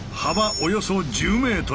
およそ１０ｍ